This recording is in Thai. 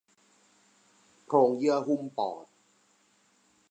โพรงเยื่อหุ้มปอด